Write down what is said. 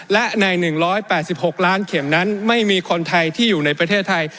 และใน๑๘๖ล้านเข็มนั้นไม่มีคนไทยที่อยู่ในประเทศไทย